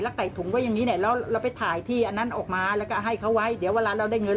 แล้วเราไปถ่ายที่อันนั้นออกมาแล้วก็ให้เขาไว้เดี๋ยวเวลาเราได้เงิน